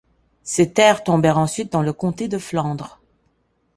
Ces terres tombèrent ensuite dans le comté de Flandre.